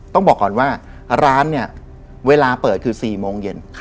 ต้องบอกก่อนว่าร้านเนี่ยเวลาเปิดคือ๔โมงเย็น